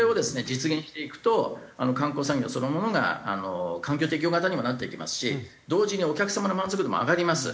実現していくと観光産業そのものが環境適応型にもなっていきますし同時にお客様の満足度も上がります。